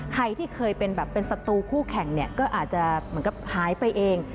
ใครที่เคยเป็นสัตว์คู่แข่งก็อาจจะหายไปเอง